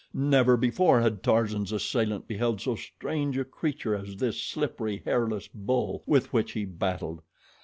Never before had Tarzan's assailant beheld so strange a creature as this slippery, hairless bull with which he battled.